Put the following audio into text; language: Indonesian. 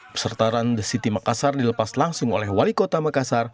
peserta run the city makassar dilepas langsung oleh wali kota makassar